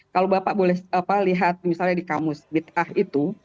kalau bapak boleh lihat misalnya di kamus bid'ah itu